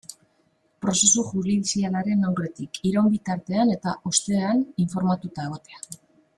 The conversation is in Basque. Prozesu judizialaren aurretik, iraun bitartean eta ostean informatuta egotea.